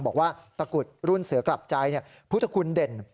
บอกว่าตะกุดรุ่นเสือกลับใจพุทธคุณเด่น